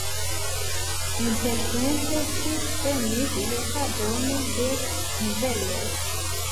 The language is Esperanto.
Intertempe ŝi prenis verkadon de noveloj.